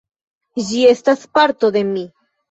Ĝi estas parto de mi.